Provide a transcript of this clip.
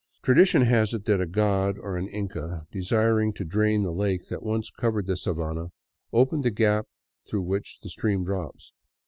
Tradition has it that a god or an Inca, desiring to drain the lake that once covered the sabana, opened the gap through which the stream drops.